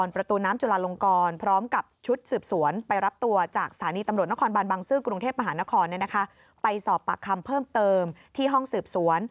ปากคำเพิ่มเติมที่ห้องสืบสวน